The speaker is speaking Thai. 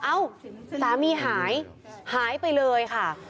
เอ้าสามีหายหายไปเลยค่ะ